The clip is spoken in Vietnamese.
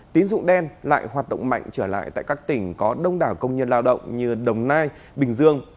tín dụng đen lại hoạt động mạnh trở lại tại các tỉnh có đông đảo công nhân lao động như đồng nai bình dương